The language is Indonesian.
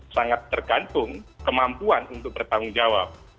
sangat tergantung kemampuan untuk bertanggungjawab